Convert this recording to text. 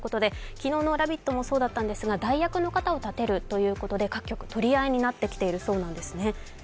昨日の「ラヴィット！」もそうだったんですが、代役の人を立てるということで各局、取り合いになってきているそうなんですね。